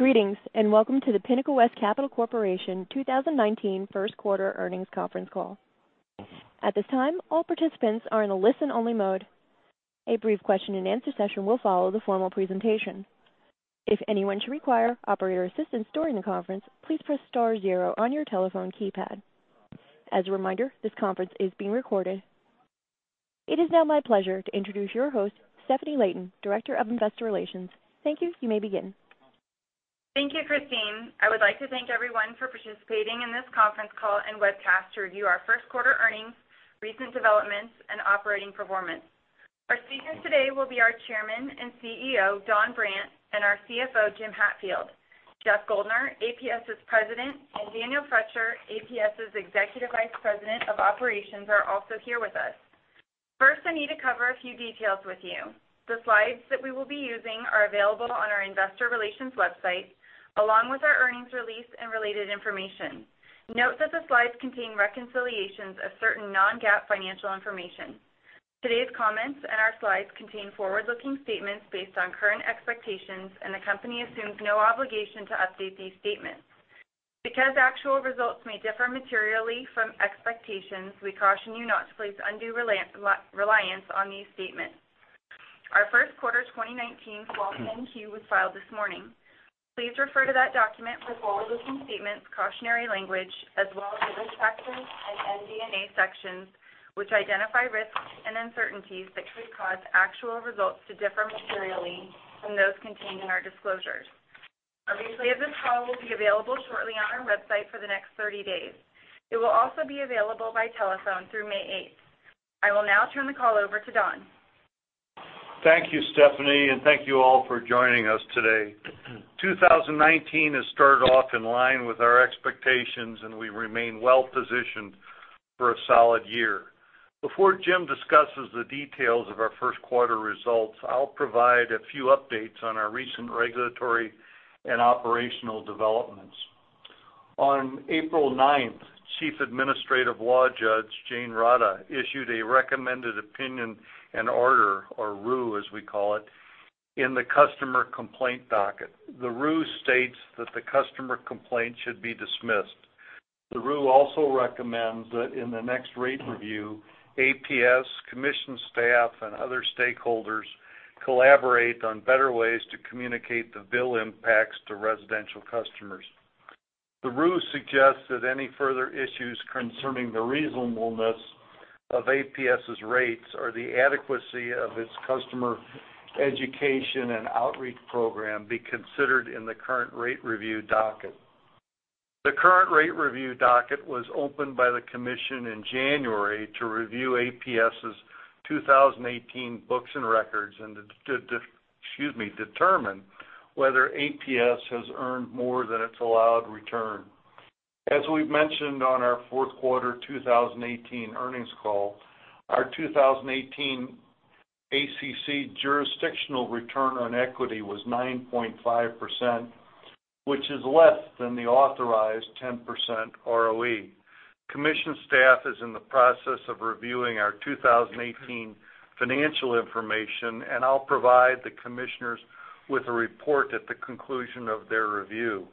Greetings, and welcome to the Pinnacle West Capital Corporation 2019 first quarter earnings conference call. At this time, all participants are in a listen-only mode. A brief question-and-answer session will follow the formal presentation. If anyone should require operator assistance during the conference, please press star zero on your telephone keypad. As a reminder, this conference is being recorded. It is now my pleasure to introduce your host, Stephanie Leighton, Director of Investor Relations. Thank you. You may begin. Thank you, Christine. I would like to thank everyone for participating in this conference call and webcast to review our first quarter earnings, recent developments, and operating performance. Our speakers today will be our Chairman and CEO, Don Brandt, and our CFO, Jim Hatfield. Jeff Guldner, APS's President, and Daniel Froetscher, APS's Executive Vice President of Operations, are also here with us. First, I need to cover a few details with you. The slides that we will be using are available on our investor relations website, along with our earnings release and related information. Note that the slides contain reconciliations of certain non-GAAP financial information. Today's comments and our slides contain forward-looking statements based on current expectations, and the company assumes no obligation to update these statements. Because actual results may differ materially from expectations, we caution you not to place undue reliance on these statements. Our first quarter 2019 10-Q was filed this morning. Please refer to that document for forward-looking statements, cautionary language, as well as the Risk Factors and MD&A sections, which identify risks and uncertainties that could cause actual results to differ materially from those contained in our disclosures. A replay of this call will be available shortly on our website for the next 30 days. It will also be available by telephone through May 8th. I will now turn the call over to Don. Thank you, Stephanie, and thank you all for joining us today. 2019 has started off in line with our expectations, and we remain well-positioned for a solid year. Before Jim discusses the details of our first quarter results, I'll provide a few updates on our recent regulatory and operational developments. On April 9th, Chief Administrative Law Judge Jane Rodda issued a Recommended Opinion and Order, or ROO as we call it, in the customer complaint docket. The ROO states that the customer complaint should be dismissed. The ROO also recommends that in the next rate review, APS, commission staff, and other stakeholders collaborate on better ways to communicate the bill impacts to residential customers. The ROO suggests that any further issues concerning the reasonableness of APS's rates or the adequacy of its customer education and outreach program be considered in the current rate review docket. The current rate review docket was opened by the commission in January to review APS's 2018 books and records and determine whether APS has earned more than its allowed return. As we've mentioned on our fourth quarter 2018 earnings call, our 2018 ACC jurisdictional return on equity was 9.5%, which is less than the authorized 10% ROE. Commission staff is in the process of reviewing our 2018 financial information, and I'll provide the commissioners with a report at the conclusion of their review.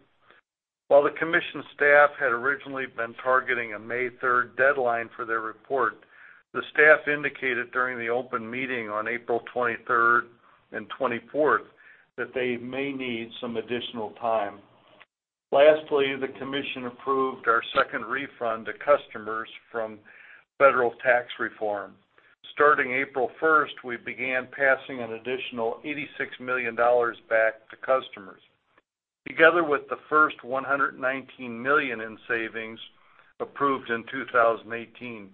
While the commission staff had originally been targeting a May 3rd deadline for their report, the staff indicated during the open meeting on April 23rd and 24th that they may need some additional time. Lastly, the commission approved our second refund to customers from federal tax reform. Starting April 1st, we began passing an additional $86 million back to customers. Together with the first $119 million in savings approved in 2018,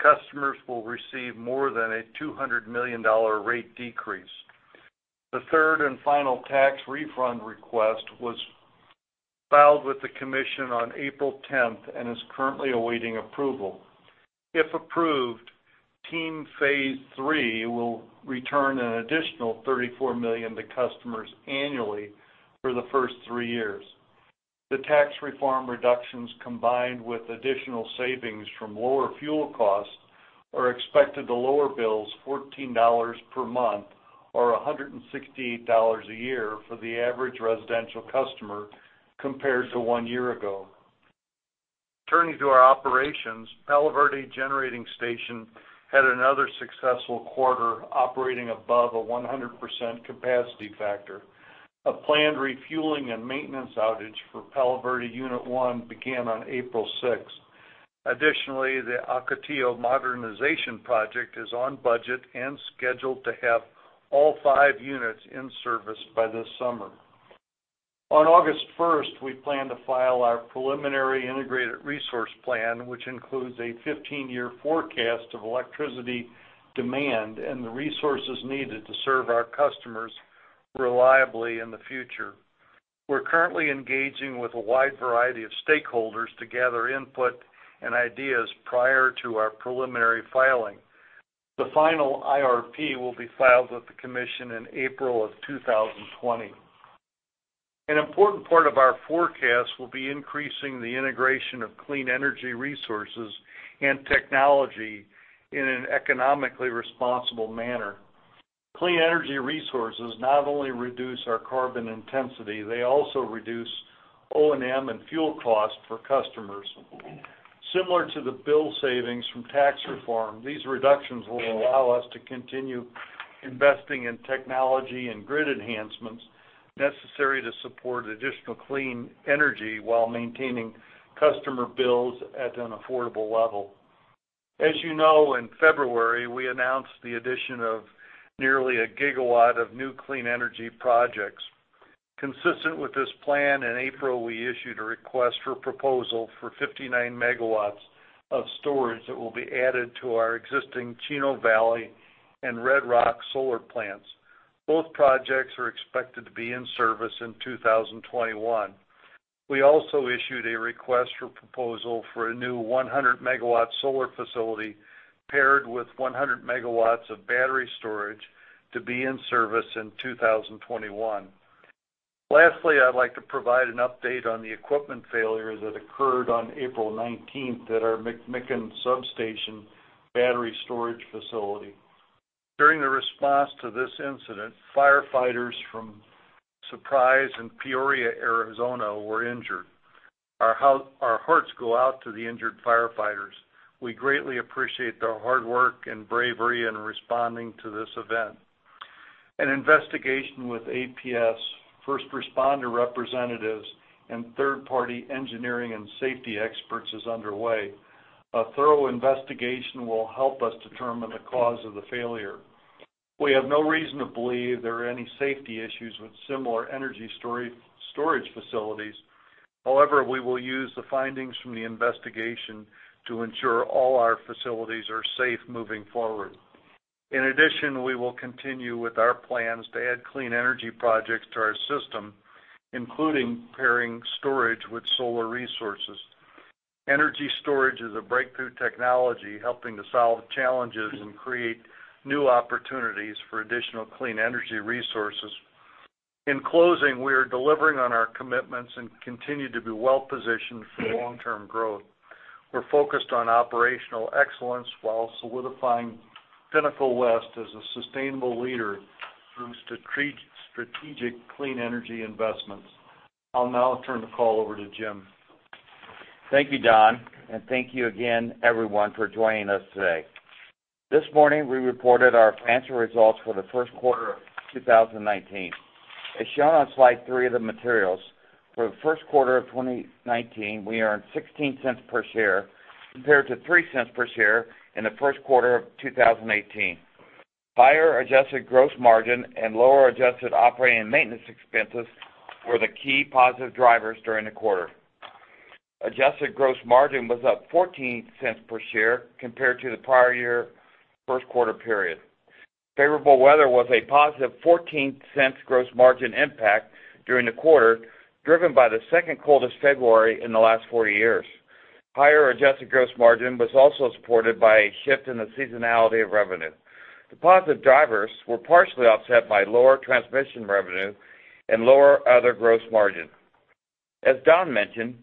customers will receive more than a $200 million rate decrease. The third and final tax refund request was filed with the commission on April 10th and is currently awaiting approval. If approved, TEAM phase three will return an additional $34 million to customers annually for the first three years. The tax reform reductions, combined with additional savings from lower fuel costs, are expected to lower bills $14 per month, or $168 a year, for the average residential customer compared to one year ago. Turning to our operations, Palo Verde Generating Station had another successful quarter operating above a 100% capacity factor. A planned refueling and maintenance outage for Palo Verde Unit 1 began on April 6th. Additionally, the Ocotillo Modernization Project is on budget and scheduled to have all five units in service by this summer. On August 1st, we plan to file our preliminary integrated resource plan, which includes a 15-year forecast of electricity demand and the resources needed to serve our customers reliably in the future. We're currently engaging with a wide variety of stakeholders to gather input and ideas prior to our preliminary filing. The final IRP will be filed with the commission in April of 2020. An important part of our forecast will be increasing the integration of clean energy resources and technology in an economically responsible manner. Clean energy resources not only reduce our carbon intensity, they also reduce O&M and fuel costs for customers. Similar to the bill savings from tax reform, these reductions will allow us to continue investing in technology and grid enhancements necessary to support additional clean energy while maintaining customer bills at an affordable level. As you know, in February, we announced the addition of nearly a gigawatt of new clean energy projects. Consistent with this plan, in April, we issued a request for proposal for 59 megawatts of storage that will be added to our existing Chino Valley and Red Rock solar plants. Both projects are expected to be in service in 2021. We also issued a request for proposal for a new 100-megawatt solar facility paired with 100 megawatts of battery storage to be in service in 2021. Lastly, I'd like to provide an update on the equipment failure that occurred on April 19th at our McMicken Substation battery storage facility. During the response to this incident, firefighters from Surprise and Peoria, Arizona, were injured. Our hearts go out to the injured firefighters. We greatly appreciate their hard work and bravery in responding to this event. An investigation with APS first responder representatives and third-party engineering and safety experts is underway. A thorough investigation will help us determine the cause of the failure. We have no reason to believe there are any safety issues with similar energy storage facilities. However, we will use the findings from the investigation to ensure all our facilities are safe moving forward. In addition, we will continue with our plans to add clean energy projects to our system, including pairing storage with solar resources. Energy storage is a breakthrough technology helping to solve challenges and create new opportunities for additional clean energy resources. In closing, we are delivering on our commitments and continue to be well-positioned for long-term growth. We're focused on operational excellence while solidifying Pinnacle West as a sustainable leader through strategic clean energy investments. I'll now turn the call over to Jim. Thank you, Don. Thank you again, everyone, for joining us today. This morning, we reported our financial results for the first quarter of 2019. As shown on slide three of the materials, for the first quarter of 2019, we earned $0.16 per share compared to $0.03 per share in the first quarter of 2018. Higher adjusted gross margin and lower adjusted operating and maintenance expenses were the key positive drivers during the quarter. Adjusted gross margin was up $0.14 per share compared to the prior year first quarter period. Favorable weather was a positive $0.14 gross margin impact during the quarter, driven by the second coldest February in the last 40 years. Higher adjusted gross margin was also supported by a shift in the seasonality of revenue. The positive drivers were partially offset by lower transmission revenue and lower other gross margin. As Don mentioned,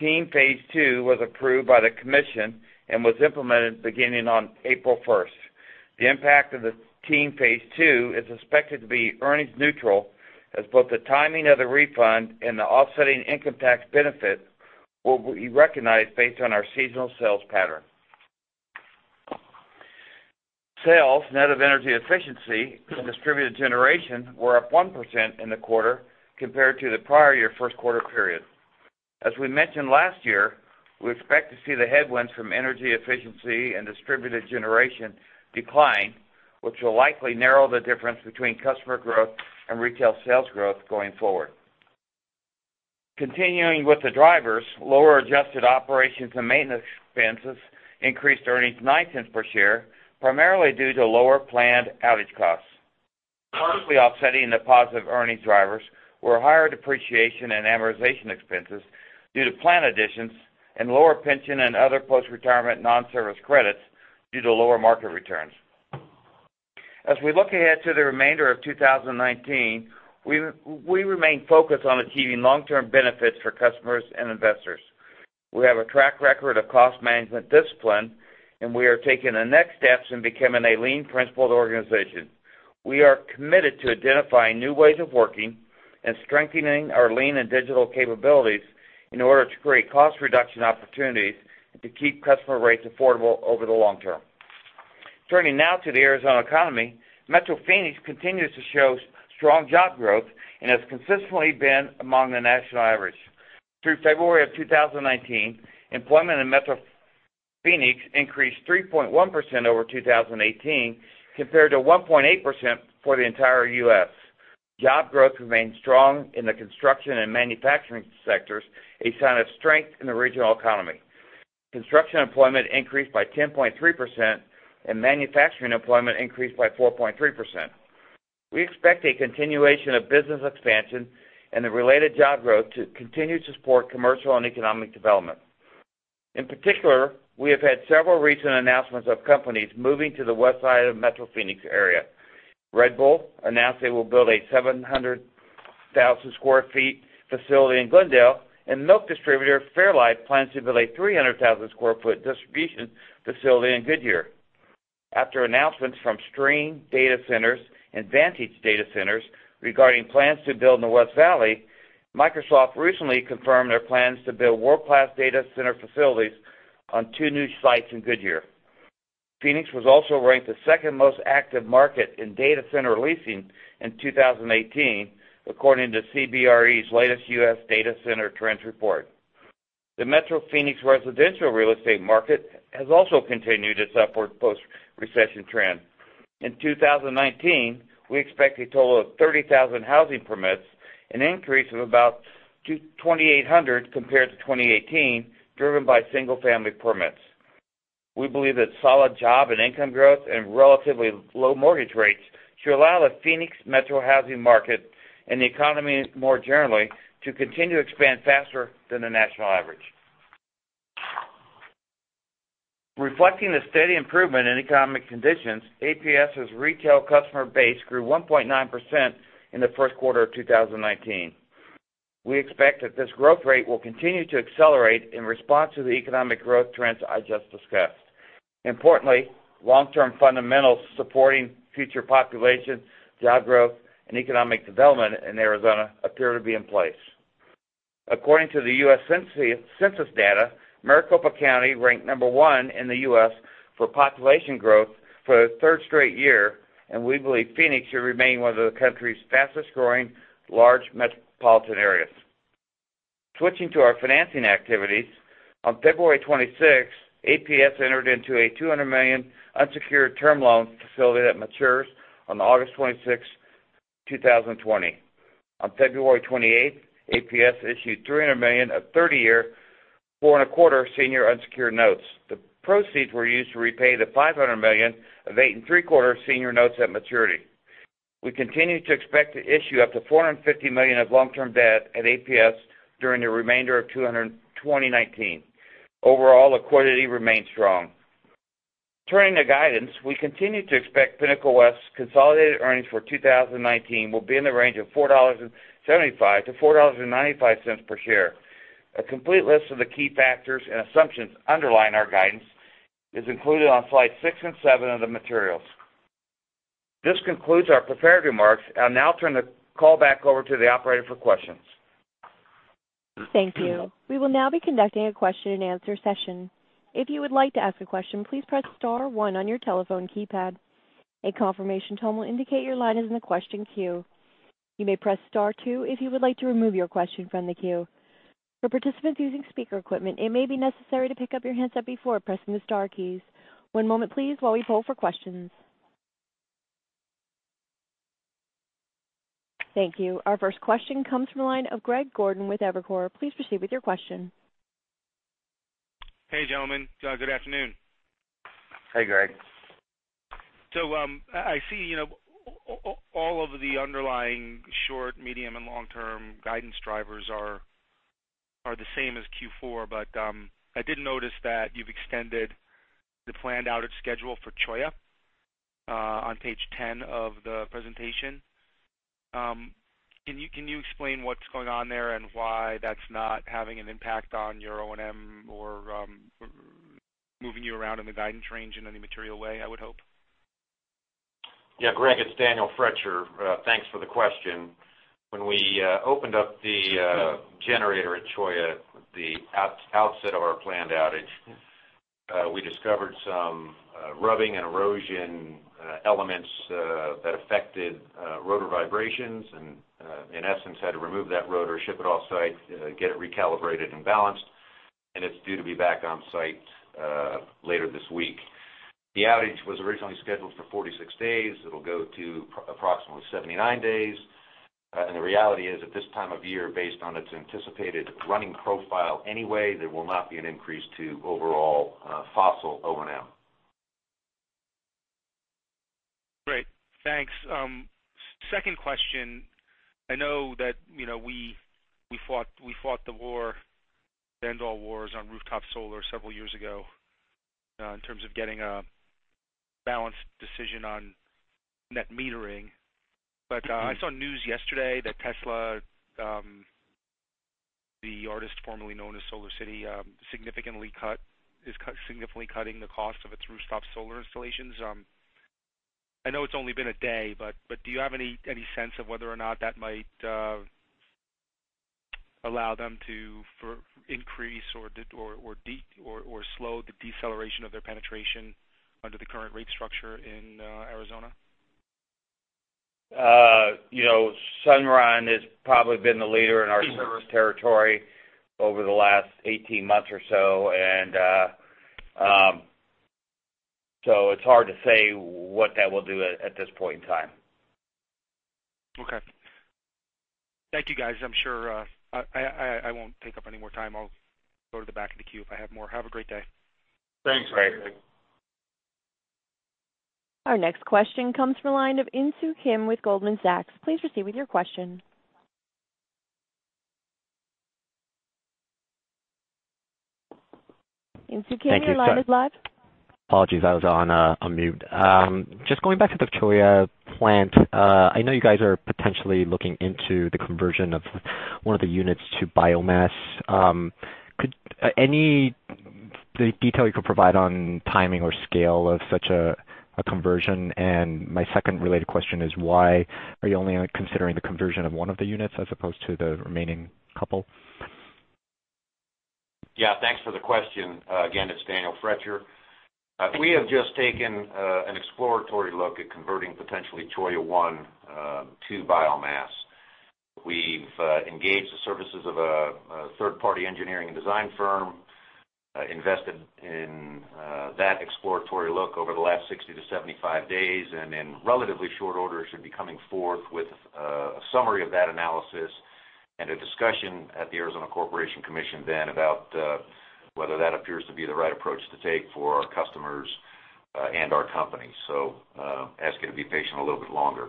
TEAM Phase 2 was approved by the Commission and was implemented beginning on April 1st. The impact of the TEAM Phase 2 is expected to be earnings neutral as both the timing of the refund and the offsetting income tax benefit will be recognized based on our seasonal sales pattern. Sales, net of energy efficiency and distributed generation, were up 1% in the quarter compared to the prior year first quarter period. As we mentioned last year, we expect to see the headwinds from energy efficiency and distributed generation decline, which will likely narrow the difference between customer growth and retail sales growth going forward. Continuing with the drivers, lower adjusted operations and maintenance expenses increased earnings $0.09 per share, primarily due to lower planned outage costs. Partially offsetting the positive earnings drivers were higher depreciation and amortization expenses due to plant additions and lower pension and other post-retirement non-service credits due to lower market returns. As we look ahead to the remainder of 2019, we remain focused on achieving long-term benefits for customers and investors. We have a track record of cost management discipline, and we are taking the next steps in becoming a lean-principled organization. We are committed to identifying new ways of working and strengthening our lean and digital capabilities in order to create cost reduction opportunities and to keep customer rates affordable over the long term. Turning now to the Arizona economy, Metro Phoenix continues to show strong job growth and has consistently been among the national average. Through February of 2019, employment in Metro Phoenix increased 3.1% over 2018, compared to 1.8% for the entire U.S. Job growth remained strong in the construction and manufacturing sectors, a sign of strength in the regional economy. Construction employment increased by 10.3%, and manufacturing employment increased by 4.3%. We expect a continuation of business expansion and the related job growth to continue to support commercial and economic development. In particular, we have had several recent announcements of companies moving to the west side of the Metro Phoenix area. Red Bull announced they will build a 700-1,000 sq ft facility in Glendale, and milk distributor fairlife plans to build a 300,000 sq ft distribution facility in Goodyear. After announcements from Stream Data Centers and Vantage Data Centers regarding plans to build in the West Valley, Microsoft recently confirmed their plans to build world-class data center facilities on two new sites in Goodyear. Phoenix was also ranked the second most active market in data center leasing in 2018, according to CBRE's latest U.S. Data Center Trends report. The Metro Phoenix residential real estate market has also continued its upward post-recession trend. In 2019, we expect a total of 30,000 housing permits, an increase of about 2,800 compared to 2018, driven by single-family permits. We believe that solid job and income growth and relatively low mortgage rates should allow the Phoenix Metro housing market, and the economy more generally, to continue to expand faster than the national average. Reflecting the steady improvement in economic conditions, APS's retail customer base grew 1.9% in the first quarter of 2019. We expect that this growth rate will continue to accelerate in response to the economic growth trends I just discussed. Importantly, long-term fundamentals supporting future population, job growth, and economic development in Arizona appear to be in place. According to the U.S. Census data, Maricopa County ranked number one in the U.S. for population growth for the third straight year, and we believe Phoenix should remain one of the country's fastest-growing large metropolitan areas. Switching to our financing activities, on February 26th, APS entered into a $200 million unsecured term loan facility that matures on August 26th, 2020. On February 28th, APS issued $300 million of 30-year four-and-a-quarter senior unsecured notes. The proceeds were used to repay the $500 million of eight-and-three-quarter senior notes at maturity. We continue to expect to issue up to $450 million of long-term debt at APS during the remainder of 2019. Overall, liquidity remains strong. Turning to guidance, we continue to expect Pinnacle West's consolidated earnings for 2019 will be in the range of $4.75-$4.95 per share. A complete list of the key factors and assumptions underlying our guidance is included on slides six and seven of the materials. This concludes our prepared remarks. I'll now turn the call back over to the operator for questions. Thank you. We will now be conducting a question and answer session. If you would like to ask a question, please press star one on your telephone keypad. A confirmation tone will indicate your line is in the question queue. You may press star two if you would like to remove your question from the queue. For participants using speaker equipment, it may be necessary to pick up your handset before pressing the star keys. One moment please, while we poll for questions. Thank you. Our first question comes from the line of Greg Gordon with Evercore. Please proceed with your question. Hey, gentlemen. Good afternoon. Hey, Greg. I see all of the underlying short, medium, and long-term guidance drivers are the same as Q4. I did notice that you've extended the planned outage schedule for Cholla on page 10 of the presentation. Can you explain what's going on there, and why that's not having an impact on your O&M or moving you around in the guidance range in any material way, I would hope? Yeah, Greg, it's Daniel Froetscher. Thanks for the question. When we opened up the generator at Cholla, the outset of our planned outage, we discovered some rubbing and erosion elements that affected rotor vibrations, and in essence, had to remove that rotor, ship it offsite, get it recalibrated and balanced, and it's due to be back on site later this week. The outage was originally scheduled for 46 days. It'll go to approximately 79 days. The reality is, at this time of year, based on its anticipated running profile anyway, there will not be an increase to overall fossil O&M. Great, thanks. Second question. I know that we fought the war to end all wars on rooftop solar several years ago in terms of getting a balanced decision on net metering. I saw news yesterday that Tesla, the artist formerly known as SolarCity, is significantly cutting the cost of its rooftop solar installations. I know it's only been a day, but do you have any sense of whether or not that might allow them to increase or slow the deceleration of their penetration under the current rate structure in Arizona? Sunrun has probably been the leader in our service territory over the last 18 months or so. It's hard to say what that will do at this point in time. Okay. Thank you, guys. I won't take up any more time. I'll go to the back of the queue if I have more. Have a great day. Thanks, Greg. Our next question comes from the line of Insoo Kim with Goldman Sachs. Please proceed with your question. Insoo Kim, your line is live. Apologies, I was on mute. Just going back to the Cholla plant. I know you guys are potentially looking into the conversion of one of the units to biomass. Any detail you could provide on timing or scale of such a conversion? My second related question is, why are you only considering the conversion of one of the units as opposed to the remaining couple? Yeah. Thanks for the question. Again, it's Daniel Froetscher. We have just taken an exploratory look at converting potentially Cholla One to biomass. We've engaged the services of a third-party engineering and design firm, invested in that exploratory look over the last 60 to 75 days, and in relatively short order should be coming forth with a summary of that analysis and a discussion at the Arizona Corporation Commission then about whether that appears to be the right approach to take for our customers and our company. Ask you to be patient a little bit longer.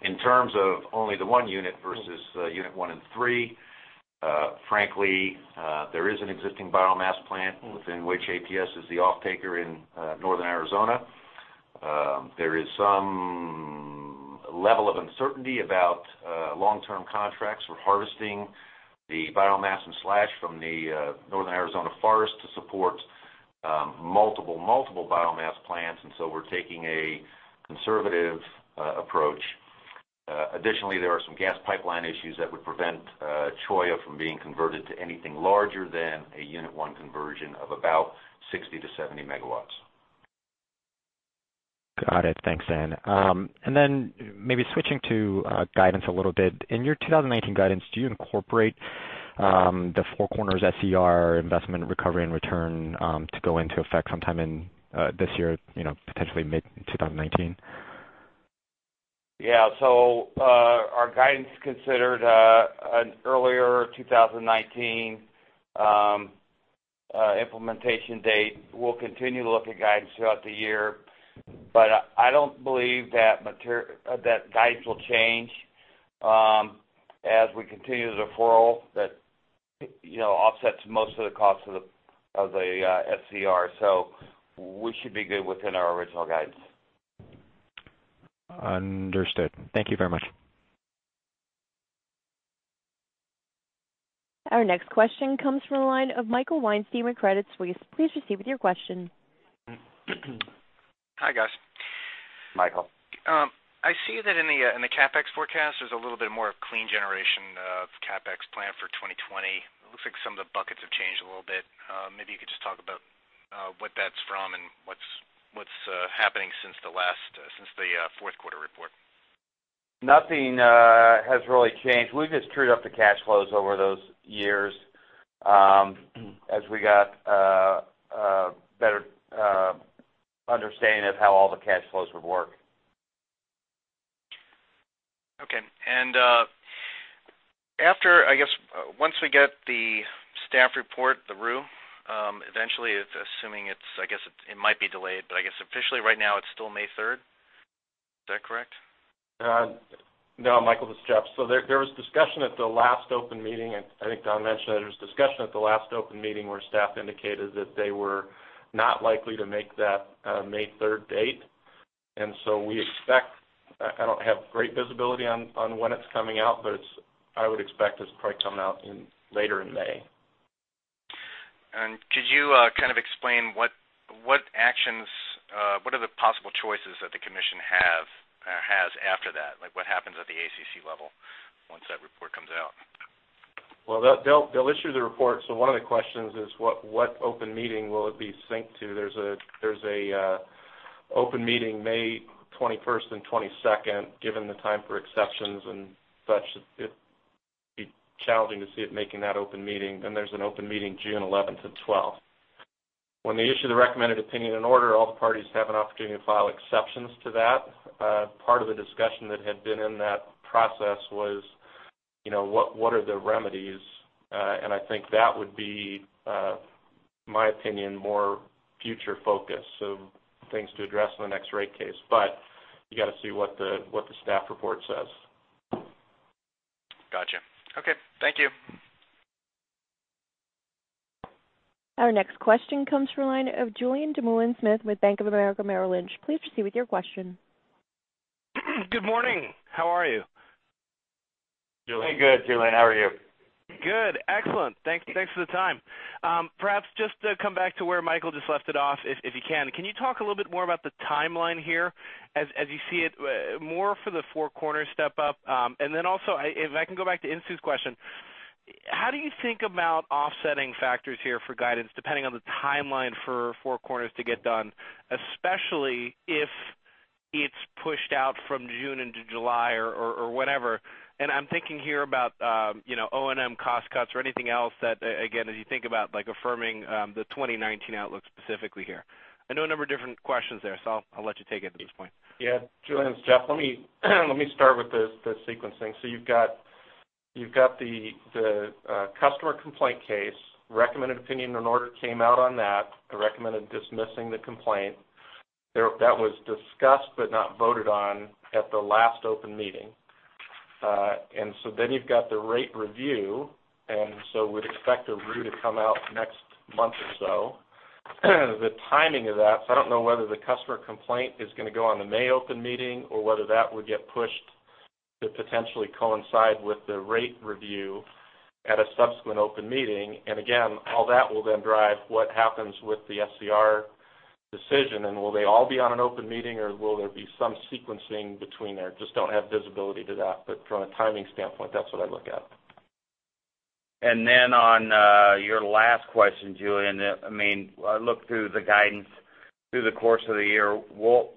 In terms of only the one unit versus unit one and three, frankly, there is an existing biomass plant within which APS is the offtaker in northern Arizona. There is some level of uncertainty about long-term contracts for harvesting the biomass and slash from the northern Arizona forest to support multiple biomass plants. We're taking a conservative approach. Additionally, there are some gas pipeline issues that would prevent Cholla from being converted to anything larger than a unit 1 conversion of about 60 to 70 megawatts. Got it. Thanks. Maybe switching to guidance a little bit. In your 2019 guidance, do you incorporate the Four Corners SCR investment recovery and return to go into effect sometime in this year, potentially mid-2019? Yeah. Our guidance considered an earlier 2019 implementation date. We'll continue to look at guidance throughout the year. I don't believe that guidance will change as we continue the deferral that offsets most of the cost of the SCR. We should be good within our original guidance. Understood. Thank you very much. Our next question comes from the line of Michael Weinstein with Credit Suisse. Please proceed with your question. Hi, guys. Michael. I see that in the CapEx forecast, there's a little bit more of clean generation of CapEx plan for 2020. It looks like some of the buckets have changed a little bit. Maybe you could just talk about what that's from and what's happening since the fourth quarter report. Nothing has really changed. We've just trued up the cash flows over those years as we got a better understanding of how all the cash flows would work. Okay. After, I guess, once we get the staff report, the ROO, eventually, assuming it's, I guess it might be delayed, but I guess officially right now it's still May third. Is that correct? No, Michael, this is Jeff. There was discussion at the last open meeting, and I think Don mentioned that there was discussion at the last open meeting where staff indicated that they were not likely to make that May third date. We expect, I don't have great visibility on when it's coming out, but I would expect it's probably coming out later in May. Could you explain what are the possible choices that the commission has after that? What happens at the ACC level once that report comes out? Well, they'll issue the report. One of the questions is what open meeting will it be synced to? There's an open meeting May twenty-first and twenty-second, given the time for exceptions and such. It'd be challenging to see it making that open meeting. There's an open meeting June eleventh and twelfth. When they issue the Recommended Opinion and Order, all the parties have an opportunity to file exceptions to that. Part of the discussion that had been in that process was what are the remedies? I think that would be, my opinion, more future-focused. Things to address in the next rate case. You got to see what the staff report says. Gotcha. Okay. Thank you. Our next question comes from the line of Julien Dumoulin-Smith with Bank of America Merrill Lynch. Please proceed with your question. Good morning. How are you? Hey, good, Julien. How are you? Good. Excellent. Thanks for the time. Perhaps just to come back to where Michael just left it off, if you can. Can you talk a little bit more about the timeline here as you see it, more for the Four Corners step up? Then also, if I can go back to Insoo's question, how do you think about offsetting factors here for guidance, depending on the timeline for Four Corners to get done? Especially if it is pushed out from June into July or whenever. I am thinking here about O&M cost cuts or anything else that, again, as you think about affirming the 2019 outlook specifically here. I know a number of different questions there, so I will let you take it at this point. Then on your last question, Julien, it is Jeff. Let me start with the sequencing. You have got the customer complaint case, Recommended Opinion and Order came out on that. I recommended dismissing the complaint. That was discussed but not voted on at the last open meeting. Then you have got the rate review, and so we would expect a ROO to come out next month or so. The timing of that, so I do not know whether the customer complaint is going to go on the May open meeting or whether that would get pushed to potentially coincide with the rate review at a subsequent open meeting. Again, all that will then drive what happens with the SCR decision, and will they all be on an open meeting, or will there be some sequencing between there? Just do not have visibility to that. From a timing standpoint, that is what I would look at. Then on your last question, Julien, I look through the guidance through the course of the year. We will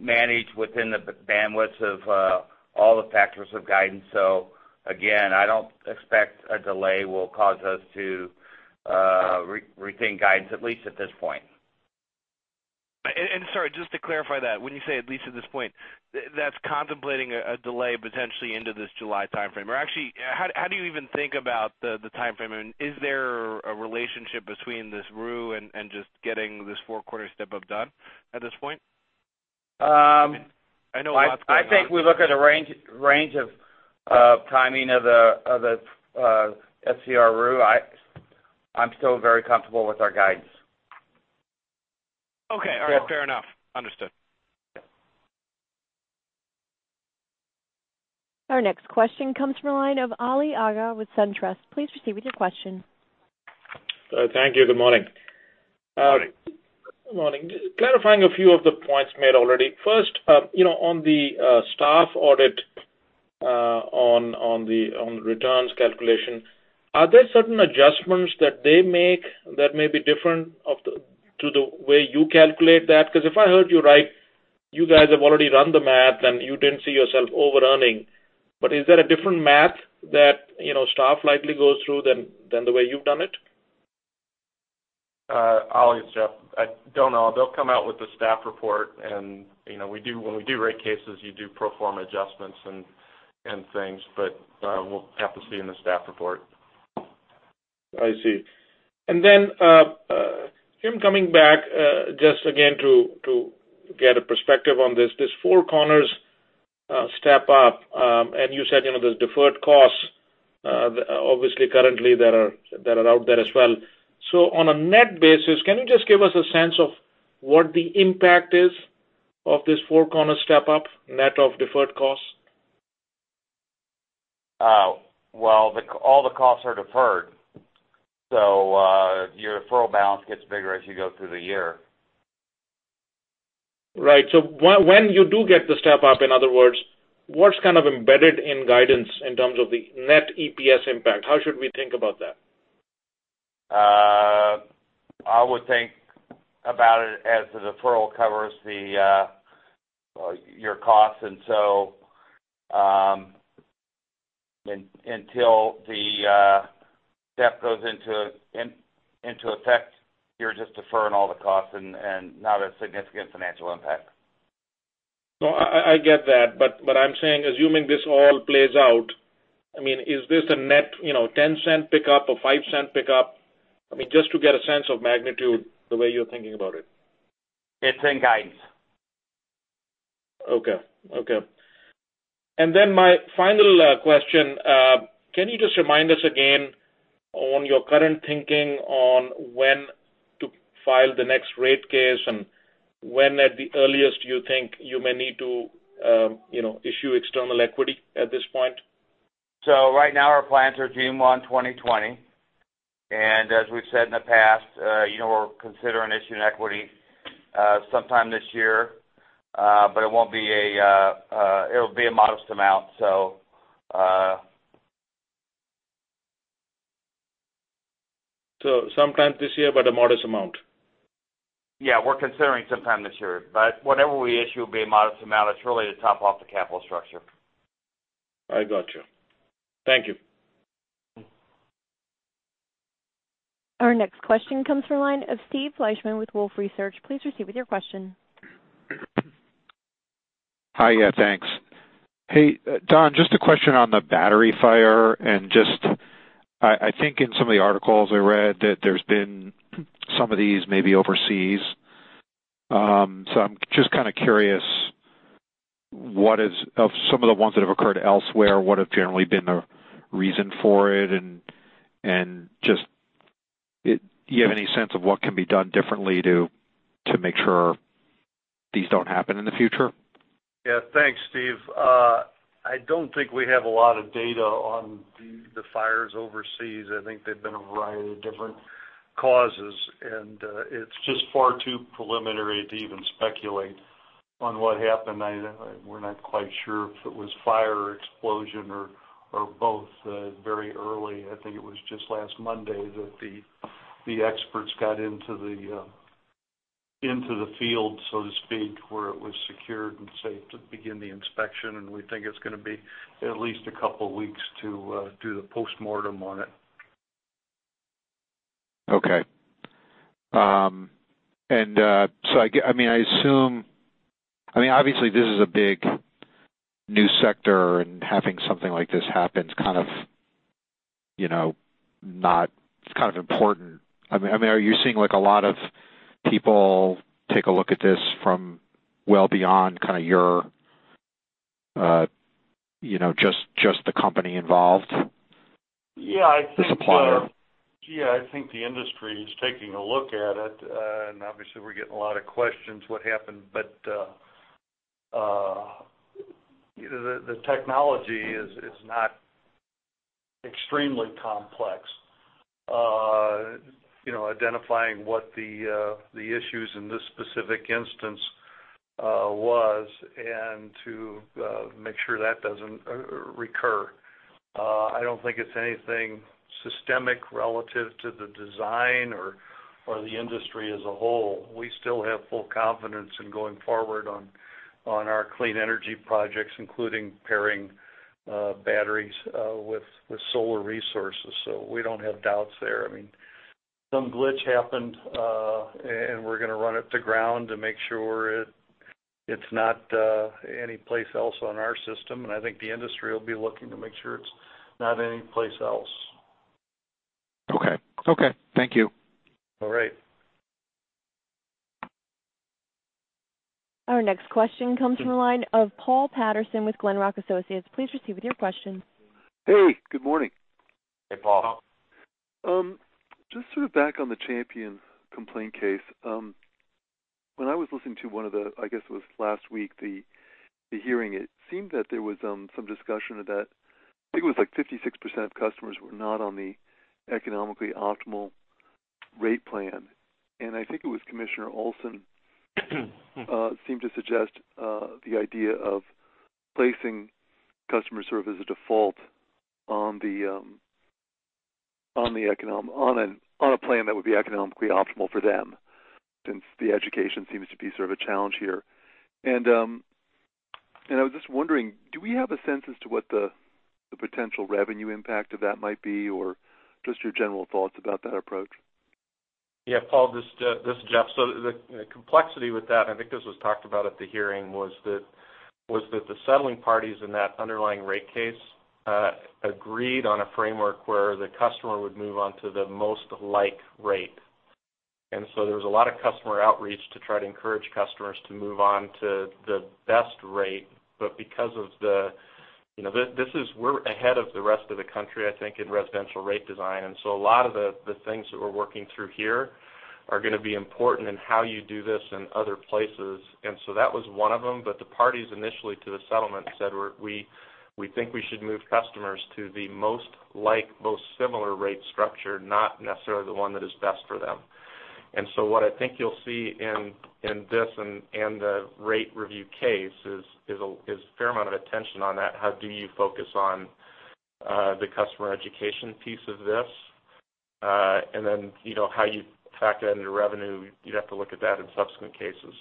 manage within the bandwidth of all the factors of guidance. Again, I do not expect a delay will cause us to rethink guidance, at least at this point. Sorry, just to clarify that, when you say at least at this point, that is contemplating a delay potentially into this July timeframe. Or actually, how do you even think about the timeframe, and is there a relationship between this ROO and just getting this Four Corners step-up done at this point? I know a lot is going on. I think we look at a range of timing of the SCR ROO. I'm still very comfortable with our guidance. Okay. All right. Fair enough. Understood. Our next question comes from the line of Ali Agha with SunTrust. Please proceed with your question. Thank you. Good morning. Morning. Morning. Just clarifying a few of the points made already. First, on the staff audit on the returns calculation, are there certain adjustments that they make that may be different to the way you calculate that? If I heard you right, you guys have already run the math and you didn't see yourself over-earning. Is there a different math that staff likely goes through than the way you've done it? Ali, it's Jeff. I don't know. They'll come out with the staff report. When we do rate cases, you do pro forma adjustments and things. We'll have to see in the staff report. I see. Jim, coming back, just again to get a perspective on this Four Corners step up. You said there's deferred costs obviously currently that are out there as well. On a net basis, can you just give us a sense of what the impact is of this Four Corners step up, net of deferred costs? All the costs are deferred. Your deferral balance gets bigger as you go through the year. Right. When you do get the step up, in other words, what's kind of embedded in guidance in terms of the net EPS impact? How should we think about that? I would think about it as the deferral covers your costs. Until the step goes into effect, you're just deferring all the costs and not a significant financial impact. No, I get that. I'm saying, assuming this all plays out, is this a net $0.10 pickup, a $0.05 pickup? Just to get a sense of magnitude the way you're thinking about it. It's in guidance. Okay. My final question, can you just remind us again on your current thinking on when to file the next rate case and when at the earliest do you think you may need to issue external equity at this point? Right now, our plans are June 1, 2020. As we've said in the past, we're considering issuing equity sometime this year. It'll be a modest amount. Sometime this year, a modest amount? Yeah. We're considering sometime this year. Whatever we issue will be a modest amount. It's really to top off the capital structure. I got you. Thank you. Our next question comes from the line of Steve Fleishman with Wolfe Research. Please proceed with your question. Hi. Yeah, thanks. Hey, Don, just a question on the battery fire, just I think in some of the articles I read that there's been some of these maybe overseas. I'm just kind of curious, of some of the ones that have occurred elsewhere, what have generally been the reason for it, and do you have any sense of what can be done differently to make sure these don't happen in the future? Yeah. Thanks, Steve. I don't think we have a lot of data on the fires overseas. I think there've been a variety of different causes, it's just far too preliminary to even speculate on what happened. We're not quite sure if it was fire or explosion or both. Very early. I think it was just last Monday that the experts got into the field, so to speak, where it was secured and safe to begin the inspection, we think it's going to be at least a couple of weeks to do the postmortem on it. Okay. Obviously, this is a big new sector, having something like this happen. It's kind of important. Are you seeing a lot of people take a look at this from well beyond just the company involved? Yeah. The supplier. Yeah, I think the industry is taking a look at it. Obviously we're getting a lot of questions, what happened? The technology is not extremely complex. Identifying what the issues in this specific instance was and to make sure that doesn't recur. I don't think it's anything systemic relative to the design or the industry as a whole. We still have full confidence in going forward on our clean energy projects, including pairing batteries with solar resources. We don't have doubts there. Some glitch happened, we're going to run it to ground to make sure it's not any place else on our system. I think the industry will be looking to make sure it's not any place else. Okay. Thank you. All right. Our next question comes from the line of Paul Patterson with Glenrock Associates. Please proceed with your question. Hey, good morning. Hey, Paul. Just sort of back on the customer complaint case. When I was listening to one of the, I guess it was last week, the hearing, it seemed that there was some discussion of that. I think it was like 56% of customers were not on the economically optimal rate plan. I think it was Justin Olson. Seemed to suggest, the idea of placing customers sort of as a default on a plan that would be economically optimal for them, since the education seems to be sort of a challenge here. I was just wondering, do we have a sense as to what the potential revenue impact of that might be? Or just your general thoughts about that approach? Yeah, Paul, this is Jeff. The complexity with that, I think this was talked about at the hearing, was that the settling parties in that underlying rate case agreed on a framework where the customer would move on to the most like rate. There was a lot of customer outreach to try to encourage customers to move on to the best rate. We're ahead of the rest of the country, I think, in residential rate design. A lot of the things that we're working through here are going to be important in how you do this in other places. That was one of them. The parties initially to the settlement said, we think we should move customers to the most like, most similar rate structure, not necessarily the one that is best for them. What I think you'll see in this and the rate review case is a fair amount of attention on that. How do you focus on the customer education piece of this? How you factor that into revenue, you'd have to look at that in subsequent cases.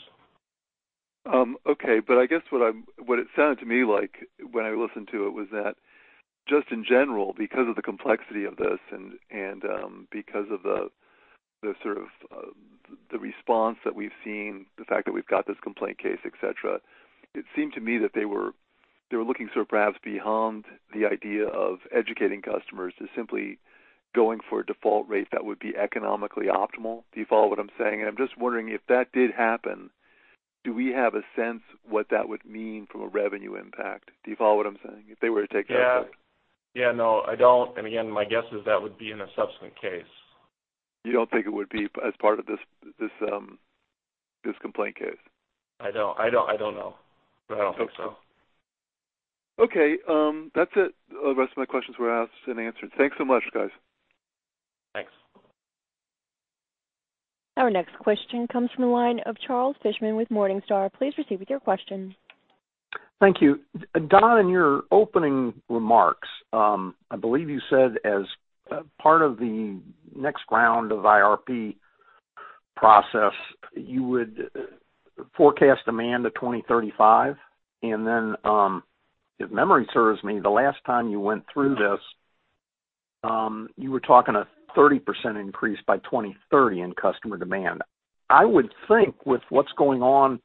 Okay. I guess what it sounded to me like when I listened to it was that just in general, because of the complexity of this and because of the sort of the response that we've seen, the fact that we've got this complaint case, et cetera. It seemed to me that they were looking sort of perhaps beyond the idea of educating customers to simply going for a default rate that would be economically optimal. Do you follow what I'm saying? I'm just wondering, if that did happen, do we have a sense what that would mean from a revenue impact? Do you follow what I'm saying? If they were to take that approach. Yeah. No, I don't. Again, my guess is that would be in a subsequent case. You don't think it would be as part of this complaint case? I don't. I don't know. I don't think so. Okay. That's it. The rest of my questions were asked and answered. Thanks so much, guys. Thanks. Our next question comes from the line of Charles Fishman with Morningstar. Please proceed with your question. Thank you. Don, in your opening remarks, I believe you said as part of the next round of IRP process, you would forecast demand to 2035. If memory serves me, the last time you went through this, you were talking a 30% increase by 2030 in customer demand. I would think with what's going on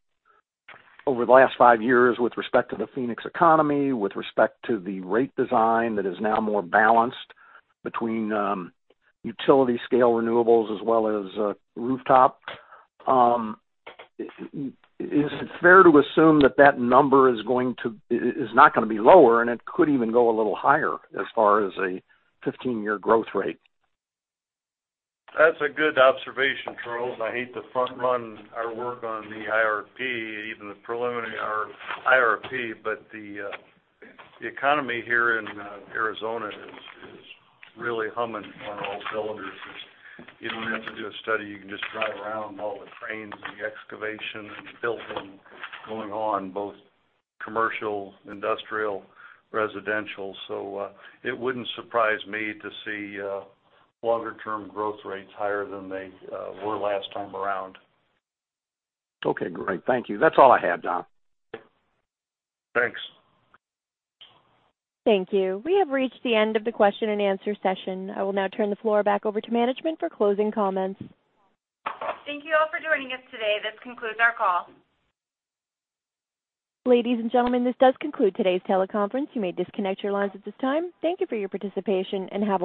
over the last 5 years with respect to the Phoenix economy, with respect to the rate design that is now more balanced between utility scale renewables as well as rooftop. Is it fair to assume that that number is not going to be lower, and it could even go a little higher as far as a 15-year growth rate? That's a good observation, Charles. I hate to front run our work on the IRP, even the preliminary IRP, the economy here in Arizona is really humming on all cylinders. You don't have to do a study. You can just drive around all the cranes and the excavation and the building going on, both commercial, industrial, residential. It wouldn't surprise me to see longer term growth rates higher than they were last time around. Okay, great. Thank you. That's all I had, Don. Thanks. Thank you. We have reached the end of the question and answer session. I will now turn the floor back over to management for closing comments. Thank you all for joining us today. This concludes our call. Ladies and gentlemen, this does conclude today's teleconference. You may disconnect your lines at this time. Thank you for your participation, and have a wonderful day.